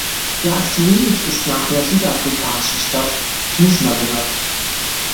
Der Asteroid ist nach der südafrikanischen Stadt Knysna benannt.